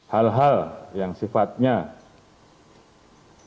hal hal yang sifatnya bisa menurunkan kekuatan